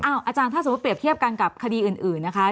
อาจารย์ถ้าสมมุติเปรียบเทียบกันกับคดีอื่นนะคะ